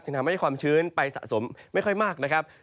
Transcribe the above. ทำให้ความชื้นไปสะสมไม่ค่อยมากนะครับ